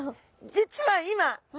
実は今え！？